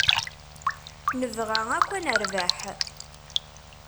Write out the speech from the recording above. Nebɣa akk ad nerbeḥ.